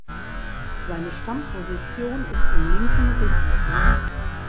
Seine Stammposition ist im linken Rückraum.